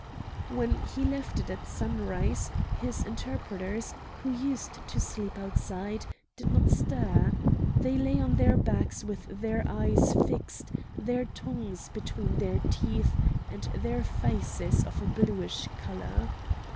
When he left it at sunrise his interpreters, who used to sleep outside, did not stir; they lay on their backs with their eyes fixed, their tongues between their teeth, and their faces of a bluish colour.